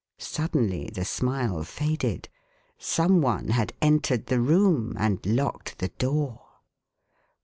Suddenly the smile faded some one had entered the room and locked the door.